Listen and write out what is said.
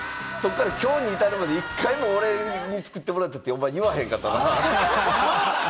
そっから今日に至るまで１回も俺に作ってもらったってお前言わへんかったな。